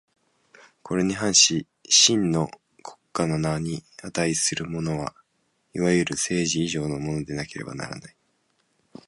これに反し真の国家の名に価するものは、いわゆる政治以上のものでなければならない。